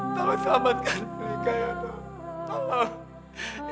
tolong selamatkan mereka ya dok